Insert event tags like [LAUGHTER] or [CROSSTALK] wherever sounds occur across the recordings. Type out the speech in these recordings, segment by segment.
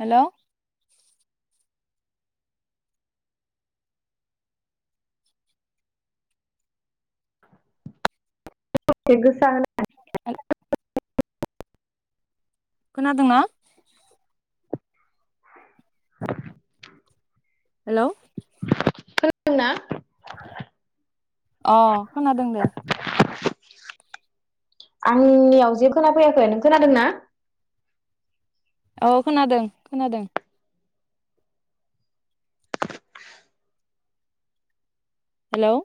Hello गोसा [UNINTELLIGIBLE] खोनादों ना हेलौ खोनदों ना खोनादों दे आंनियाव जे खोनाफैयाखै नों खोनादोंना औ खोनादों खोनादों हेलौ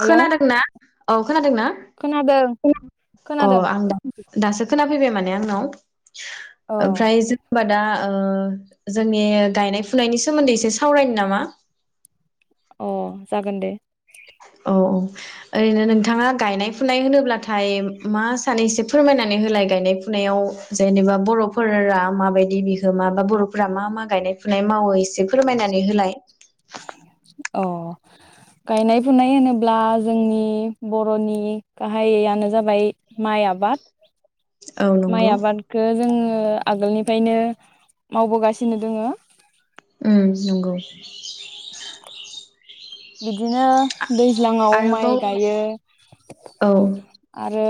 हेलौ खोनादों ना औ खोनादोंना खोनादों अ खोनादों आं द दासो खोनाफैबाय माने आंनाव अ ओमफ्राय जों दा ओ जोंनि गायनाय फुनायनि सोमोन्दै एसे सावरायनो नामा अ जागोन दे औ औ ओरैनो नोंथाङा गायनाय फुनाय होनोब्लाथाय मा सानो एसे फोरमायनानै होलाय गायनाय फुनायाव जेनेबा बर'फोरा माबायदि बिहोमा बा बर'फोरा मा मा गायनाय फुनाय मावो एसे फोरमायनानै होलाय अ गायनाय फुनाय होनोब्ला जोंनि बर'नि गाहाययानो जाबाय माइ आबाद औ नंगौ माइ आबादखो जोङो ओ आगोलनिफ्रायनो मावबोगासिनो दोङो उम नंगौ बिदि बिदिनो दैज्लाङाव माइ आरोबाव गायो औ आरो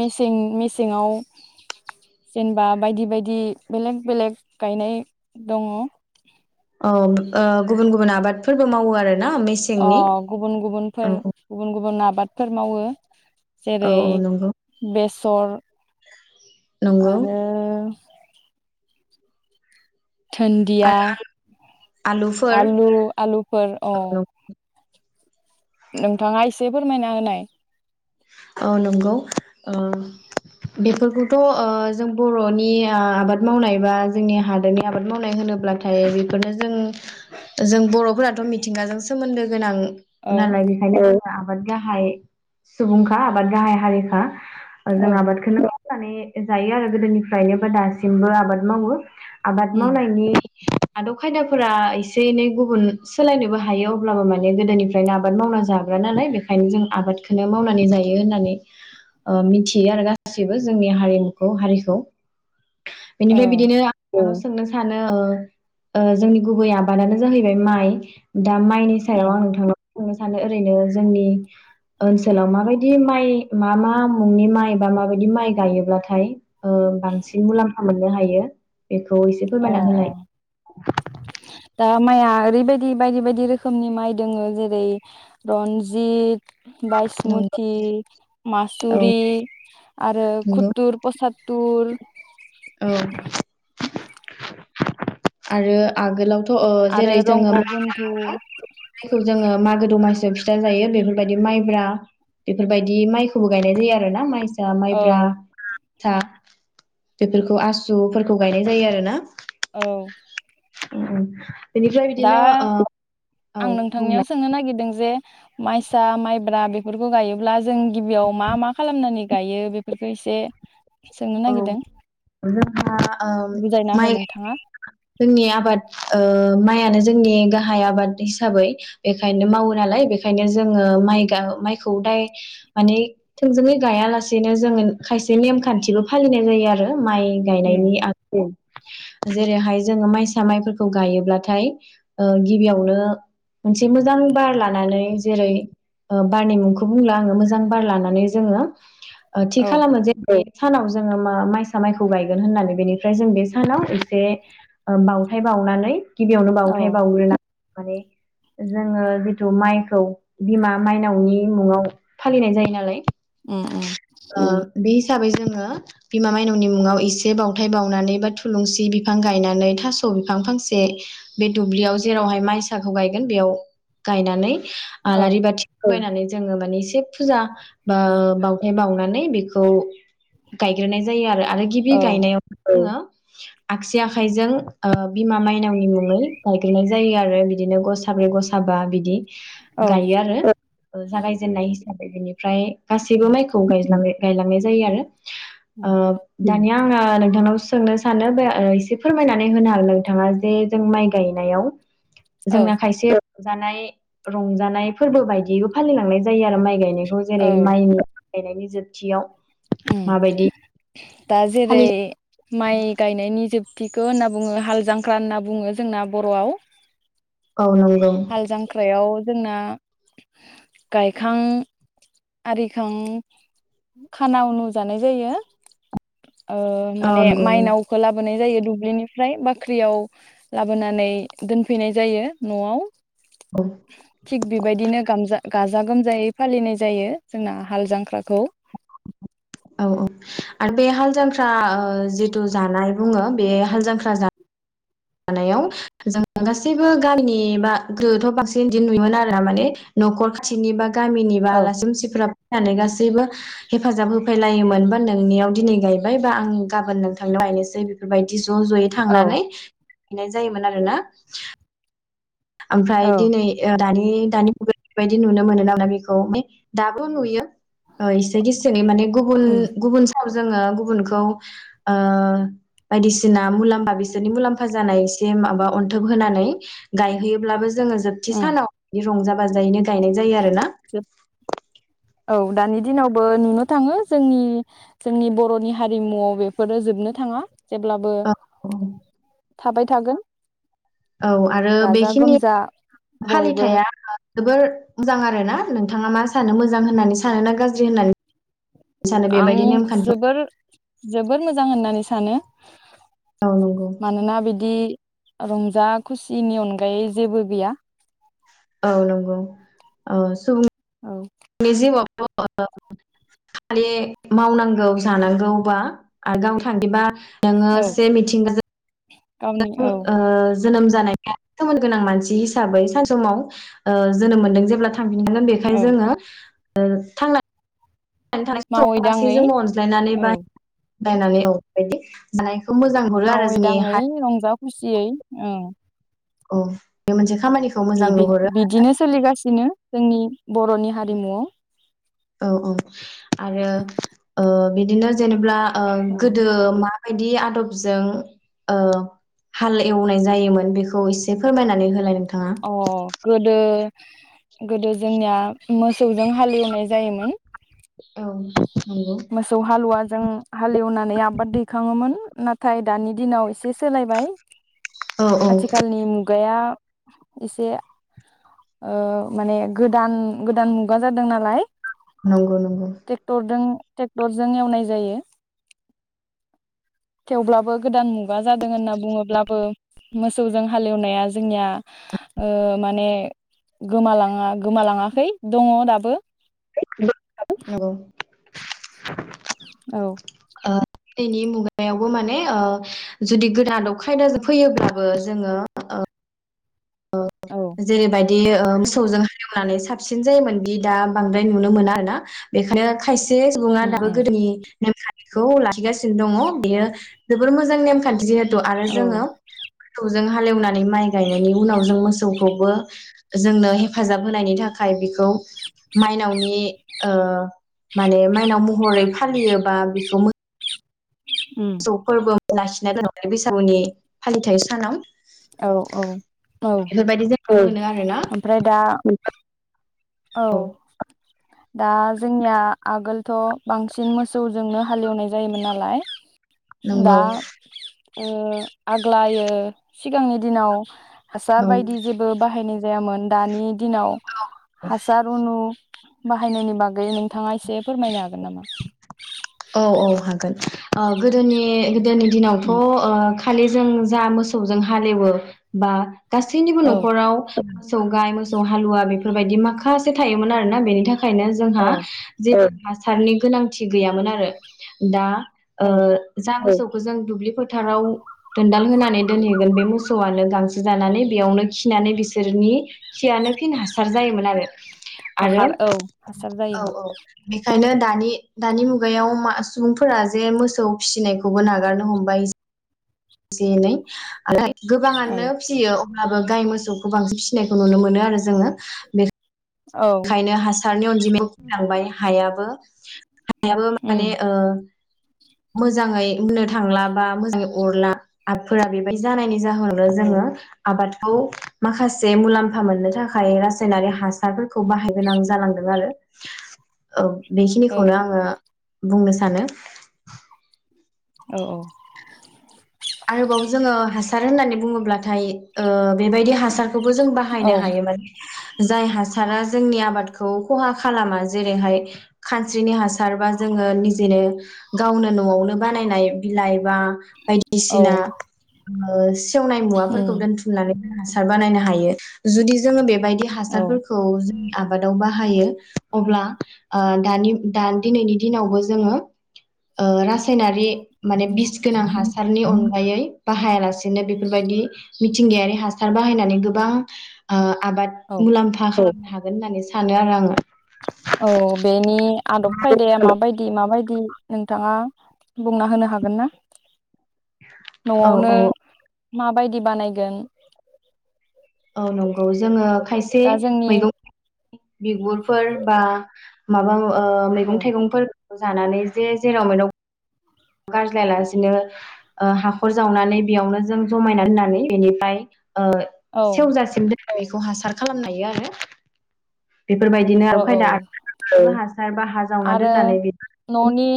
मेसें मेसेङाव जेनेबा बायदि बायदि बेलेग बेलेग गायनाय दङ औ ओ गुबुन गुबुन आबादफोरबो मावो आरो अ गुबुन गुबुनफोर गुबुन गुबुन आबाद फोर मावो जेरै औ नंगौ बेसर नंगौ आरो धोनन्दिया आरो आलुफोर आलु आलुफोर औ नोंथाङा एसे फोरमायना होनाय औ नंगौ ओ बेफोरखौथ' ओ जों बर'नि आबाद मावनाय बा जोंनि हादोरनि आबाद मावनाय होनोब्लाथाय बेफोरनो जों जों बर'फोराथ' मिथिंगाजों सोमोन्दो गोनां औ नालाय बेखायनो आबाद गाहाय सुबुंखा एबा गाहाय हारिखा औ जों आबादखौनो माने जायो आरो गोदोनिफ्रायनो बा दासिमबो आबाद मावो आबाद उम मावनायनि आदब खायदाफोरा एसे एनै गुबुन सोलायनोबो हायो अब्लाबो माने गोदोनिफ्रायनो आबाद मावना जाग्रा नालाय बेखायनो जों आबाद बेखौनो मावनानै जायो होननानै मिथियो आरो गासैबो जोंनि हारिमुखौ हारिखौ औ बेनिफ्राय बिदिनो सोंनो सानो ओ ओ जोंनि गुबै आबादानो जाहैबाय माइ दा माइनि सायाव उम आं नोंथांमोन बुंनो सानो ओरैनो जोंनि ओनसोलाव माबायदि माइ मा मा मुंनि माइ बा माबायदि माइ गायोब्लाथाय ओ बांसिन मुलाम्फा मोननो हायो बेखौ एसे औ फोरमायना होलाय अ माइआ ओरैबायदि बायदि बायदि रोखोमनि माइ दोङो जेरै रनजित नंगौ बायसमुथि औ मासुरि आरो नंगौ खुथुर प्रसाद टुर आरो आगोलाव थ' ओ आरो जेरै रंग जोङो बन्धु मा माइखौ जोङो मागो दमासियाव फिथा जायो बेफोरबायदि माइब्रा बेफोरबायदि माइखौबो गायनाय जायो आरो ना माइ औ मायब्रा बेफोरखौ आसुफोरखौ गायनाय जायो आरो ना औ औ बेनिफ्राय बिदिनो दा आं औ नोंथांनियाव बुंलाय सोंनो नागिरदों जे माइसा माइब्रा बेफोरखौ गायोब्ला जों गिबियाव मा मा खालामनानै गायो बेफोरखौ एसे सोंनो औ नागिरदों जोंहा ओ बुजायना हो माइ नोंथाङा जोंनि आबाद ओ माइ जोंनि गाहाय आबाद हिसाबै बेखायनो मावो नालाय बेखायनो जोङो मा माइखौ दाय माने थोंजोङै गायालासेनो जोङो खायसे नेमखान्थिबो फालिनाय जायो आरो माइ उम गायनायनि आख जेरैहाय जोङो माइसा माइफोरखौ गायोब्लाथाय ओ गिबियावनो मोनसे मोजां बार लानानै जेरै बारनि मुंखौ बुंला आङो मोजां बार लानानै जोङो ओ थि औ खालामो जे सानाव जोङो माइसा माइखौ गायगोन होननानै बेनिफ्राय जों बे सानाव एसे बावथाय बावनानै गिबियावनो औ बावथाय बावग्रोना माने जोङो जिथु माइखौ बिमा माइनावनि मुङाव फालिनाय जायो नालाय उम उम। ओ बे हिसाबै जोङो‌ बिमा मायनावनि मुङाव एसे बावथाय बावनानै बा थुलुंसि बिफां गायनानै थास' बिफां फांसे बे दुब्लियाव जेरावहाय माइसाखौ गायगोन बेयाव गायनानै औ आलारि बा फैनानै जोङो मानिे एसे फुजा बा बावथाय बावनानै बेखौ गायग्रोनाय जायो आरो। आरो गिबि गायनायाव जोङो आगसि आखाइजों ओ बिमा मायनावनि मुङै गायग्रोनाय जायो आरो बिदिनो गसाब्रै गसाबा बिदि गायो आरो जागायजेननाय [UNINTELLIGIBLE] ओमफ्राय गासैबो माइखौ गायजायो गायलांनाय जायो आ ओ दानिया आङो नोंथांनाव सोंनो सानो बे एसे फोरमायनानै होनो हागोन नोंथाङा जे जों माइ गायनायाव औ जोंना खायसे जानाय रंजानाय फोरबो बायदियैबो फालिलांनाय जायो आरो माइ माइ गायनायखौ जेरै औ माइ गायनायनि जोबथियाव उम मा बायदि दा जेरै माइ गायनायनि जोब थिखौ होनना बुङो हाल जांख्रा होनना बुङो जोंना बर'आव औ नंगौ हाल जांख्रायाव जोंना गायखां आरिखां खाना उनु जानाय जायो। ओ औ माने नंगौ नंगौ माइनाव लाब लाबोनाय जायो दुब्लिनिफ्राय बाख्रियाव लाबोनानै दोनफैनाय जायो न'आव थिग बे बायदिनो गामजा गाजा गोमजायै फालिनाय जायो जोंना हाल जांख्राखौ औ औ आरो बे हाल जांख्रा ओ जिथु जानाय बुङो बे हाल जांख्रा जानाय मानायाव जों गासैबो गामिनि बा गोहोथ' बांसिन बिदि नुयोमोन आरो माने न'खर खाथिनि बा गामिनि बा आलासि मानसिफ्रा फैनानै गासैबो हेफाजाब होफैलायोमोनबा नोंनियाव दिनै गायबाय बा आं गाबोन नों थांनो बायनोसै बेफोरबायदि ज' ज'यै औ थांनानै हैनाय जायोमोन आरो ना ओमफ्राय औ दिनै ओ दानि दानि मुगायाव बेबायदि नुनो मोनो नामा बेखौ ओमफ्राय दाबो नुयो । ओ इसे गिसोनि माने गुबुन उम गुबुन स जोङो गुबुनखौ ओ बायदिसिना मुलाम्फा बिसोरनि मुलाम्फा जानाय एसे माबा अन्थोब होनानै गायहैयोब्लाबो ज जोङो जोबथि सानाव रंजा बाजायैनो गायनाय जायो आरो ना । औ दानि दिनावबो नुनो थाङो जोंनि जोंनि बर'नि हारिमुआव बेफोरो जोबनो थाङा । जेब्लाबो औ थाबाय थागोन औ आरो गाजा बेखिनि गोमजा बयबो फालिथाया जोबोर मोजां आरोना । नोंथाङा मा सानो मोजां होननानै सानो ना गाज्रि होननानै सानो आं बेबायदि नेमखान्थि जोबोर जोबोर मोजां होननानै सानो । औ नंगौ मानोना बिदि रंजा खुसिनि अनगायै जेबो गैया । औ नंगौ औ सुबुं औ नि जिउआवथ' खालि मावनांगौ जानांगौ बा [UNINTELLIGIBLE] नोङो औ से मिथिंगाजों गावनि औ [UNINTELLIGIBLE] जोनोम जानाया सोमोन गोनां मानसि हिसाबै सान समाव ओ जोनोम मोनदों जेब्ला थांफिनगोन बेखायनो औ जोङो ओ थांना नै थानाय मावै समाव गासै दाङै जोंबो अनज्लायनानै औ बा नायनानै औ [UNINTELLIGIBLE] खौ मोजां हरो आरो मावै जोंनि हा दाङै रंजा खुसियै ओं औ बे मोनसे खामानिखौ मोजां नुहरो बिदिनो सोलिगासिनो जोंनि बर'नि हारिमुआव औ औ आरो ओ बिदिनो जेनेब्ला ओ औ गोदो मा माबायदि आदबजों ओ हाल एवनाय जायोमोन बेखौ एसे फोरमायनानै होलाय नों अ गोद गोदो गोदो जोंनिया मोसौजों हालेवनाय जायोमोन औ नंगौ मोसौ हालुवाजों हालेवनानै आबाद दैखाङोमोन नाथाय दानि दिनाव एसे से सोलायबाय औ औ आथिखालनि मु मुगाया एसे ओ माने गोदान गोदान मुगा जादों नालाय नंगौ नंगौ ट्रेक्टरजों ट्रेक्टरजों एवनाय जायो थेवब्लाबो गोदान मुगा जादों होनना बुङोब्लाबो मोसौजों हालेवनाया जोंनिया ओ माने गोमालाङा गोमालाङाखै दङ दाबो औ औ गोदनि मुगायावबो माने ओ जुदि गोदान खायदा फैयोब्लाबो जोङो औ जेरैबायदि बिदि मोसौजों हालेवनानै साबसिन जायोमोनदि दा बांद्राय नुनो मोना आरो ना बेखायनो खायसे सुबुङा उम दाबो उम गोदोनि नेमखान्थि बेखौ लाखिगासिनो दङ बेयो जोबोर मोजां नेमखान्थि आरो जोङो जों हालेवनानै माइ गायनायनि उनाव जों मोसौखौबो जोंनो हेफाजाब होनायनि थाखाय बेखौ माइनावनि ओ माने माइनाव महरै फालियोबा बिखौ उम [UNINTELLIGIBLE] लाखिना दोन बैसागुनि फालिथाय सानाव औ औ औ बेफोरबायदि जायगायाव मोनो आरो ना ओमफ्राय दा औ दा जोंनिया आगोलथ' बांसिन मोसौजोंनो हालेवनाय जायोमोन नालाय दा नंगौ ओ आग्लायो सिगांनि दिनाव हासार औ बायदि जेबो बाहायनाय जायामोन दानि दिनाव हसार [UNINTELLIGIBLE] बाहायनायनि बागै नोंथाङा एसे फोरमायनो हागोन नामा औ औ हागोन गोदोनि गोदोनि दिनाव थ' ओ खालि जों जा मोसौजों हालेवो बा गासैनिबो औ न'खराव मोसौ गाइ मोसौ हालुवा बेफोरबायदि माखासे थायोमोन आरोना बेनि थाखाय नो जोंहा औ जि हासारनि गोनांथि गैयामोन आरो आरो दा ओ औ जा गोजां दुब्लि फोथाराव दोनदाल होनानै दोनहैगोन बे मसौ सौआनो गांसो जानानै बेयावनो खिनानै बिसोरनि खियानो फिन हासार जायोमोन आरो आरो हाखार हासार औ जायोमोन औ ओंखायनो दानि दानि मु गायाव मा सुबुंफोरा जे मोसौ फिसिनायखौबो नागारनो हमबाय एसे एनै औ गोबाङानो फिसियो अब्लाबो गाय मोसौखौ बांसिन फिसिनायखौ नुनो मोनो आरो जोङो बे औ बखायनो हासारनि अनजिमाया [UNINTELLIGIBLE] हायाबो हायाबो माने उम ओ मोजाङै बुंनो थांला बा मोजाङै अरला आबादफोरा बेबायदि जानाय नि जाहोनावनो औ जोङो आबाद खौ माखासे मुलामफा मोननो थाखाय रासायनारि हासारफोरखौ बाहाय गोनां जालांदों आरो ओ औ बेखिनिखौनो आङो बुंनो सानो औ औ आरोबाव जोङो हासार होननानै बुङोब्लाथाय ओ बेबायदि हा हासारखौबो जों औ बाहायनो हायो मोन जाय हासारा जोंनि आबादखौ खहा खालामा जेरैहाय खानस्रिनि हासारबा जोङो निजेनो गावनो न'आवनो बानायनाय बिलाइ बा बाय औ बिसिना ओ सेवनाय मुवाफोरखौ उम दोनथुमनानै हासार बानायनो हायो जुदि जोङो बेबाय दि औ हासारफोरखौ जोंनि आबादाव बाहायो अब्ला ओ दानि दा दिनैनि दिनावबो जोङो ओ रासायनारि माने बिस गोनां हा सारनि अनगायै बाहायालासेनो बेफोरबायदि मिथिंगायारि हासार बाहायनानै गोबां ओ आबाद औ मुलामफाखौ हागोन होननानै सानो आरो आङो औ बेनि आदब खायदाया माबायदि माबाय दि नोंथाङा बुंना होनो हागोन ना औ न'आवनो औ माबायदि बानायगोन औ नं औ जोङो खायसे दा जोंनि मैगं बिगुरफोर बा माबा ओ औ मैगं थाइगंफोर जानानै जे जेराव मेराव गारज्लायालासिनो ओ हाखर जावनानै बेयावनो जों जमायना दोननानै बेनिफ्राय ओ औ सेवजासिमदों बेखौ हासार खालामनो हायो आरो बेफोरबायदिनो औ आखाय औ दा आरो न'नि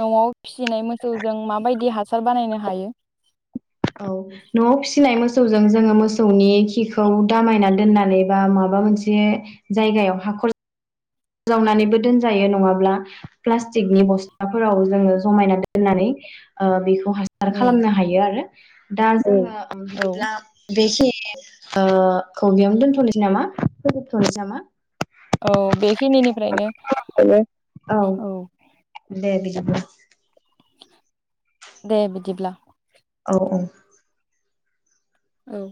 न'आव फिसिनाय मोस बुस्थु जों माबायदि हासार बानायनो हायो औ न'आव फिसिनाय मोस मोसौजों जोङो मोसौनि खिखौ दामायना दोननानै बा माबा मोनसे जायगायाव हाखर जावनानैबो दोनजायो नङाब्ला प्लास्टिकनि बस्थाफोराव जोङो जमायना दोननानै बेखौ हासार उम खालामनो हायो आरो दाल औ बिदिब्ला बेखि खौ बेयावनो दोनथ'नोसै नामा फोजोबथ'नोसै नामा औ बे खिनिनिफ्रायनो औ [INAUDIBLE] दे बिदिब्ला अ औ